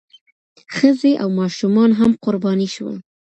ښځې او ماشومان هم قرباني شول.